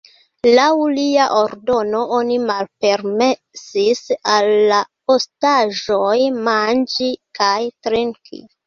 Laŭ lia ordono oni malpermesis al la ostaĝoj manĝi kaj trinki.